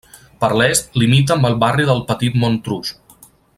Per l'est, limita amb el barri del Petit-Montrouge.